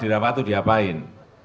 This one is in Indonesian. dirawat itu diapain